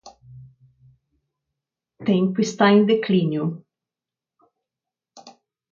Tempo está em declínio